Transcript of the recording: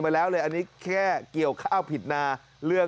ตายตายตาย